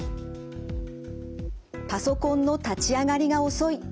パソコンの立ち上がりが遅い。